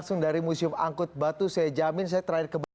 terima kasih eka